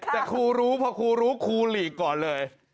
แต่ครูรู้พอครูรู้ครูหลีกก่อนเลย